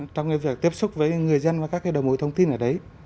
trong cái việc tiếp xúc với người dân và các cái đồng hồ thông tin ở đấy